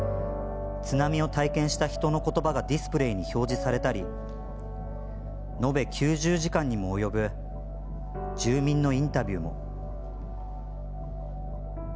津波を体験した人の言葉がディスプレーに表示されたり延べ９０時間にもおよぶ住民のインタビューも。